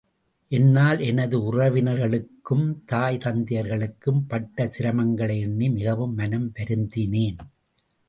என்னால் எனது உறவினர்களும், தாய் தந்தையர்களும் பட்ட சிரமங்களை எண்ணி மிகவும் மனம் வருந்தினேன்.